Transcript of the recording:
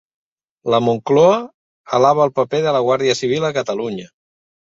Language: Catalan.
La Moncloa alava el paper de la Guàrdia Civil a Catalunya